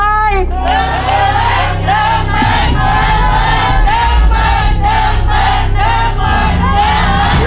เดิมมา